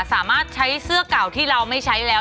สามารถใช้เสื้อเก่าที่เราไม่ใช้แล้ว